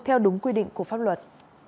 theo đúng quy định của pháp luật